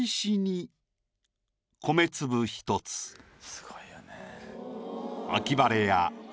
すごいよね。